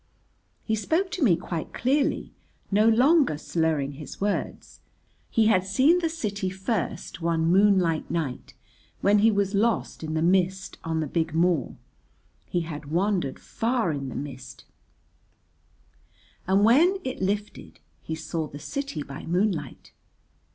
He spoke to me quite clearly, no longer slurring his words; he had seen the city first one moonlight night when he was lost in the mist on the big moor, he had wandered far in the mist, and when it lifted he saw the city by moonlight.